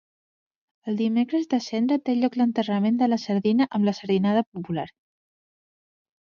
El Dimecres de Cendra té lloc l'enterrament de la Sardina amb la Sardinada popular.